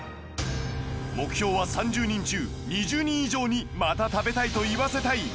目標は３０人中２０人以上に「また食べたい」と言わせたい